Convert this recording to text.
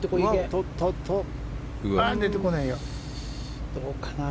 ああ、出てこないよ。